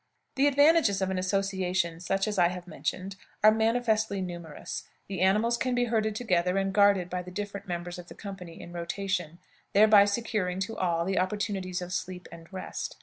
The advantages of an association such as I have mentioned are manifestly numerous. The animals can be herded together and guarded by the different members of the company in rotation, thereby securing to all the opportunities of sleep and rest.